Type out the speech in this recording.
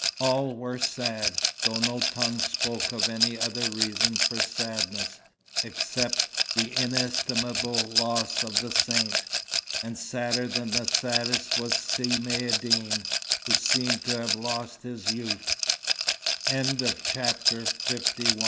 All were sad, though no tongue spoke of any other reason for sadness, except the inestimable loss of the Saint. And sadder than the saddest was Si Maïeddine, who seemed to have lost his youth. LII It is a long cry from th